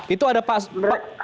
itu ada pak